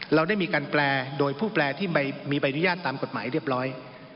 เราได้มีการแปลโดยผู้แปลที่มีใบอนุญาตตามกฎหมายเรียบร้อย